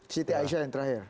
siti aisyah yang terakhir